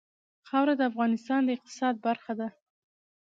خاوره د افغانستان د اقتصاد برخه ده.